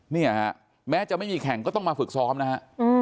เนี่ยฮะแม้จะไม่มีแข่งก็ต้องมาฝึกซ้อมนะฮะ